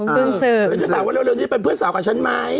แล้วฉันถามเร็วนี่มันพื้นสาวกับฉันไหม